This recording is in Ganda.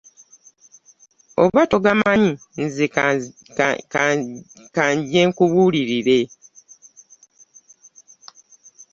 Oba togamanyi nze ka nje nkubuulire.